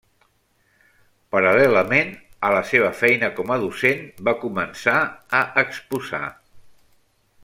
Paral·lelament a la seva feina com a docent, va començar a exposar.